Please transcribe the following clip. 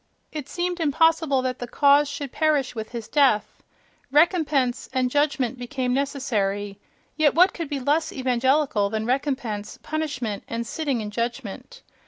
It seemed impossible that the cause should perish with his death: "recompense" and "judgment" became necessary (—yet what could be less evangelical than "recompense," "punishment," and "sitting in judgment"!).